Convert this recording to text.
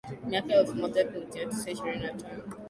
miaka ya elfumoja miatisa ishirini na tano